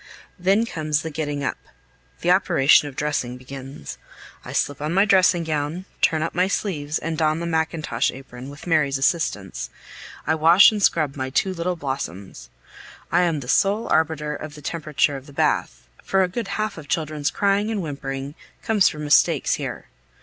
Then comes the getting up. The operation of dressing begins. I slip on my dressing gown, turn up my sleeves, and don the mackintosh apron; with Mary's assistance, I wash and scrub my two little blossoms. I am sole arbiter of the temperature of the bath, for a good half of children's crying and whimpering comes from mistakes here.